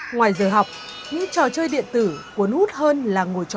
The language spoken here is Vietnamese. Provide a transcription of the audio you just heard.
ngoài giờ học những trò chơi điện tử cuốn hút hơn là ngồi trò chơi